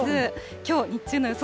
きょう日中の予想